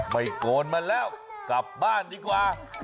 โกนมาแล้วกลับบ้านดีกว่า